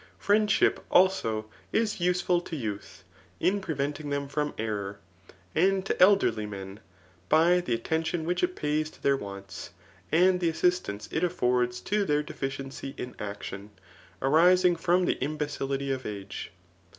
Friendship, also, is useful to youth, in preventing them fSrom error, and to elderly men, by the attention which it pays to their wants, and the assistance it affords to their deficiency in actkni, arisbg from the imbecility of age.